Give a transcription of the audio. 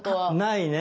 ないね。